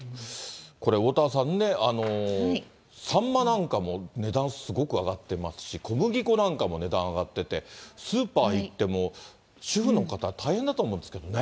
これ、おおたわさんね、さんまなんかも値段、すごく上がってますし、小麦粉なんかも値段上がってて、スーパー行っても、主婦の方、大変だと思うんですけどね。